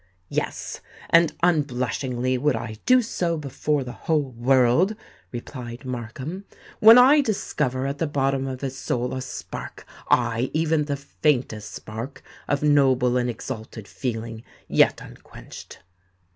"Yes—and unblushingly would I do so before the whole world," replied Markham, "when I discover at the bottom of his soul a spark—aye, even the faintest spark of noble and exalted feeling yet unquenched."